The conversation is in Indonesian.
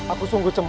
aku sungguh cemburu